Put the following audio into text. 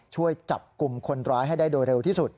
ช่วยจับกลุ่มคนร้ายให้ได้โดยเร็วที่สุด